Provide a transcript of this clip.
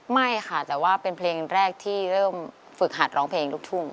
ไม่ค่ะแต่ว่าเป็นเพลงแรกที่เริ่มฝึกหัดร้องเพลงลูกทุ่ง